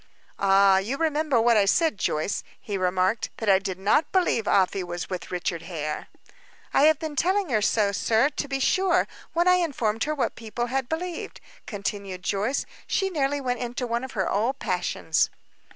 "Ah! You remember what I said, Joyce," he remarked. "That I did not believe Afy was with Richard Hare." "I have been telling her so, sir, to be sure, when I informed her what people had believed," continued Joyce. "She nearly went into one of her old passions."